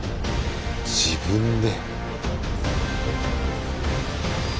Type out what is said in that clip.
自分で。